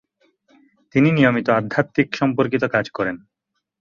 তিনি নিয়মিত আধ্যাত্মিক সম্পর্কিত কাজ করেন।